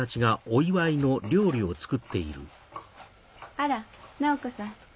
あら菜穂子さん。